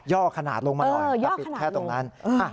ย่อขนาดลงมาเลยก็ปิดแค่ตรงนั้น